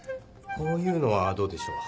こういうのはどうでしょう？